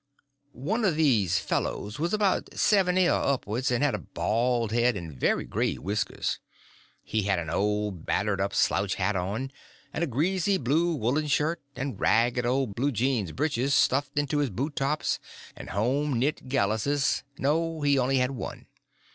One of these fellows was about seventy or upwards, and had a bald head and very gray whiskers. He had an old battered up slouch hat on, and a greasy blue woollen shirt, and ragged old blue jeans britches stuffed into his boot tops, and home knit galluses—no, he only had one.